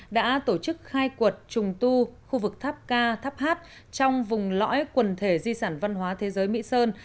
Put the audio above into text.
đã tổ chức khai quật trùng tu khu vực tháp ca tháp hát trong vùng lõi quần thể di sản văn hóa thế giới mỹ sơn